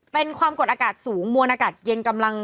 เป็นความกดอากาศสูงมวลอากาศเย็นกำลัง